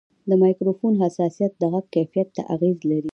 د مایکروفون حساسیت د غږ کیفیت ته اغېز لري.